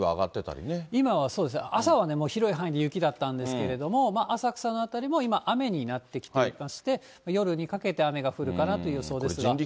朝は広い範囲で雪だったんですけれども、浅草の辺りも今、雨になってきていまして、夜にかけて雨が降るかなという予想ですが。